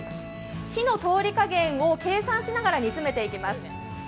火の通り加減を計算しながら煮詰めていきます。